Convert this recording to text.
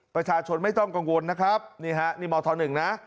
ประชาชนไม่ต้องกังวลนะครับนี่ฮะนี่มธ๑นะ